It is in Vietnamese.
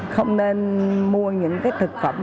không nên mua những thực phẩm